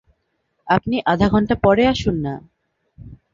আপনি আধা ঘন্টা পরে আসুন না।